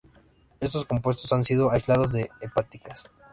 Estos compuestos han sido aislados de hepáticas.